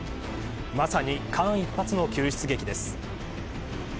まさに、間一髪の救出劇です。